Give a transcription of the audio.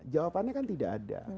jawabannya kan tidak ada